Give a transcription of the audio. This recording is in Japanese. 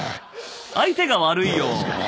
相手が悪いよ。